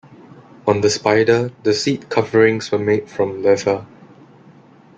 On the Spider the seat coverings were made from leather.